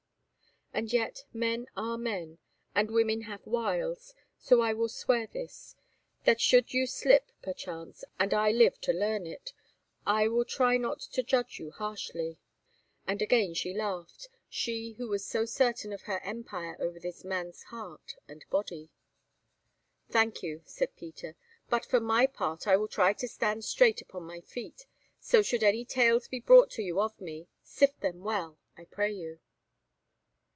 And yet men are men, and women have wiles, so I will swear this: That should you slip, perchance, and I live to learn it, I will try not to judge you harshly." And again she laughed, she who was so certain of her empire over this man's heart and body. "Thank you," said Peter; "but for my part I will try to stand straight upon my feet, so should any tales be brought to you of me, sift them well, I pray you."